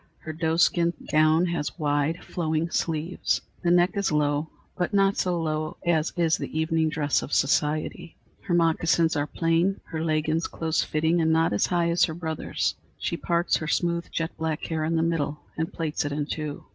Her doeskin gown has wide, flowing sleeves; the neck is low, but not so low as is the evening dress of society. Her moccasins are plain; her leggins close fitting and not as high as her brother's. She parts her smooth, jet black hair in the middle and plaits it in two.